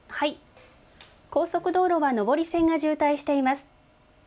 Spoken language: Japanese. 高速道路は上り線が渋滞しています。